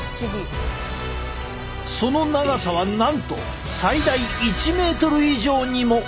その長さはなんと最大１メートル以上にも。